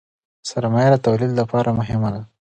سرمایه د تولید لپاره مهمه ده.